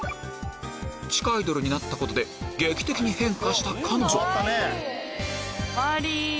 地下アイドルになったことで劇的に変化した彼女